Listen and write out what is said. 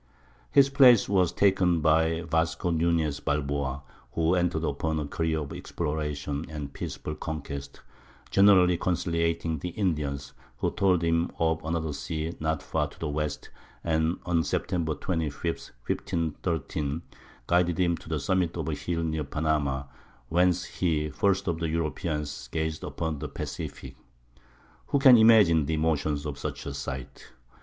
His place was taken by Vasco Nuñez Balboa, who entered upon a career of exploration and peaceful conquest, generally conciliating the Indians, who told him of another sea not far to the west, and on September 25, 1513, guided him to the summit of a hill near Panama, whence he, first of Europeans, gazed upon the Pacific. Who can imagine the emotions of such a sight!